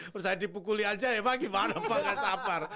terus saya dipukuli aja ya pak gimana pak gak sabar